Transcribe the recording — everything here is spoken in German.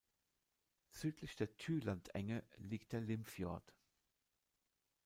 Südlich der Thy-Landenge liegt der Limfjord.